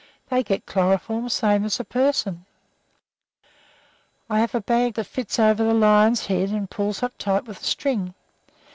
They get chloroform same as a person. I have a bag for it that fits over a lion's head, and pulls up tight with a string.